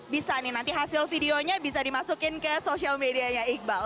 bisa nih nanti hasil videonya bisa dimasukin ke social medianya iqbal